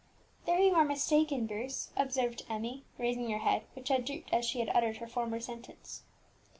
"There you are mistaken, Bruce," observed Emmie, raising her head, which had drooped as she had uttered her former sentence.